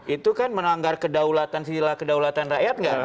itu kan melanggar kedaulatan sila kedaulatan rakyat nggak